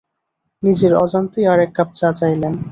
নিজের অজান্তেই আরেক কাপ চা চাইলেন।